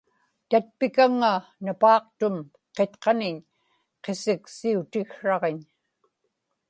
tatpikaŋŋa napaaqtum qitqaniñ qisiqsiutiksraġiñ